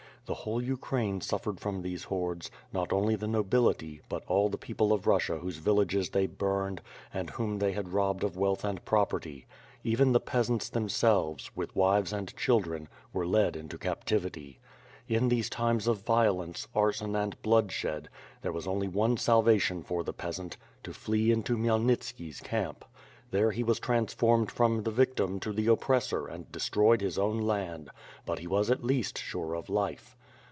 The whole Ukraine suffered from these hordes; not only the nobility, but all the people of Russia whose villages they burned, and whom they had robbed of wealth and property. Even the peasants, themselves, with wives and children, were led into captivity. In these times of violence, arson and bloodshed, there was only one salvation for the peasant; to flee into Khmyelnitski's camp. There he was transformed from the victim to the oppressor and destroyed his own land, but he was at least sure of his life.